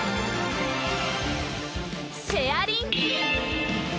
シェアリン！